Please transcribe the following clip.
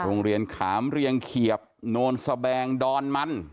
โรงเรียนขามเรียงเขียบโน้นสะแพงโดนมัน